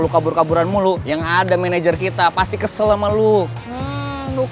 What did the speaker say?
gak usah jutek mulu